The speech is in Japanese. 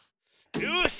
よし。